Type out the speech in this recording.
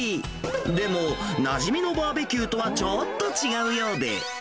でも、なじみのバーベキューとはちょっと違うようで。